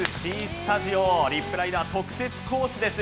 スタジオリップライダー特設コースです。